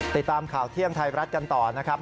ติดตามข่าวเที่ยงไทยรัฐกันต่อนะครับ